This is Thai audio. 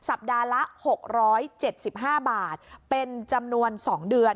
สัปดาห์ละ๖๗๕บาทเป็นจำนวน๒เดือน